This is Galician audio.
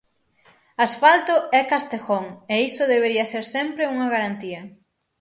Asfalto é Castejón e iso debería ser sempre unha garantía.